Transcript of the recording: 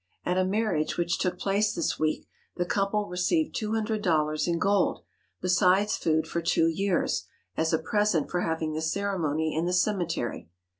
At a marriage which took place this week the couple received two hundred dollars in gold, besides food for two years, as a present for having the ceremony in the cemetery.